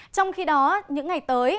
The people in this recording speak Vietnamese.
trong khi đó những ngày tới